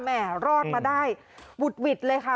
แหม่รอดมาได้วุดวิดวิดเลยค่ะ